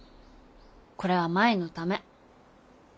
これは舞のため。